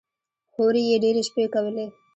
هورې يې ډېرې شپې کولې.